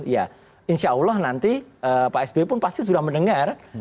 ya insya allah nanti pak sby pun pasti sudah mendengar